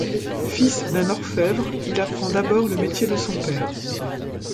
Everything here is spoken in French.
Fils d'un orfèvre, il apprend d'abord le métier de son père.